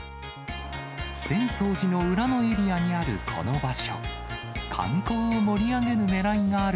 浅草寺の裏のエリアにあるこの場所。